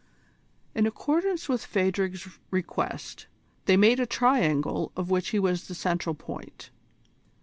In accordance with Phadrig's request, they made a triangle of which he was the central point.